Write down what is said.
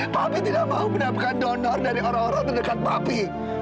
bapi tidak mau mendapatkan donor dari orang orang terdekat bapi